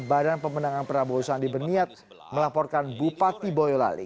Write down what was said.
badan pemenangan prabowo sandi berniat melaporkan bupati boyolali